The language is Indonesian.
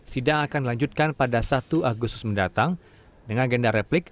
sidang akan dilanjutkan pada satu agustus mendatang dengan agenda replik